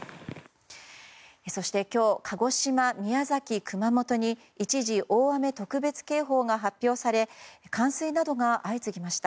そして今日鹿児島、宮崎、熊本に一時、大雨特別警報が発表され冠水などが相次ぎました。